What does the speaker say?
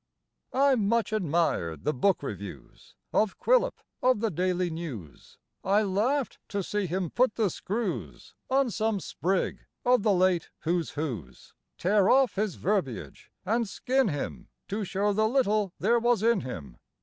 I much admired the book reviews Of Quillip of the Daily News. I laughed to see him put the screws On some sprig of the late Who's Whos, Tear off his verbiage and skin him To show the little there was in him.